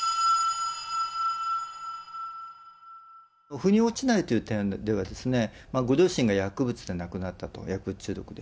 ふに落ちないという点では、ご両親が薬物で亡くなったと、薬物中毒で。